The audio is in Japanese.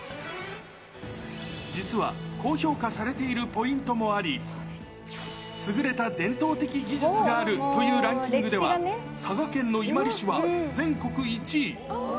実は、高評価されているポイントもあり、優れた伝統的技術があるというランキングでは、佐賀県の伊万里市は全国１位。